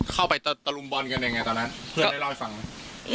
เข้าไปตะลุมบอลกันยังไงตอนนั้นเพื่อนได้เล่าให้ฟังไหม